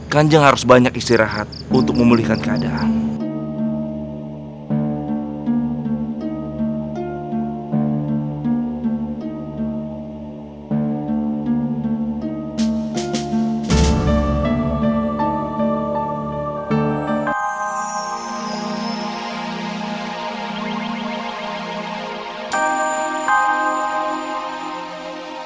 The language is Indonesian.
kanjeng harus banyak istirahat untuk memulihkan keadaan